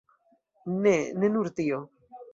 Ne, ne nur tio.